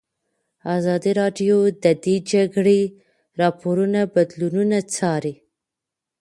ازادي راډیو د د جګړې راپورونه بدلونونه څارلي.